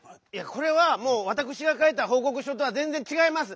これはもうわたくしがかいたほうこくしょとはぜんぜんちがいます。